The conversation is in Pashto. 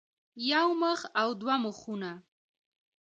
يو مخ او دوه مخونه